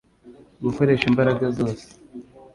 gukoresha imbaraga zose